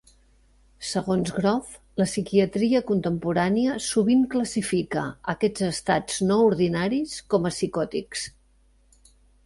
Segons Grof, la psiquiatria contemporània sovint classifica aquests estats no ordinaris com a psicòtics.